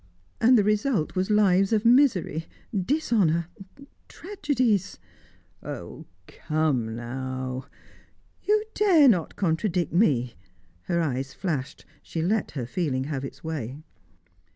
"And the result was lives of misery dishonour tragedies." "Oh, come now " "You dare not contradict me!" Her eyes flashed; she let her feeling have its way.